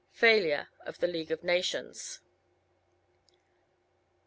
Failure of the League of Nations.